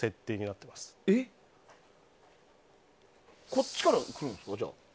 こっちからも来るんですか？